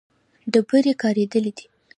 ډبرې کارېدلې دي.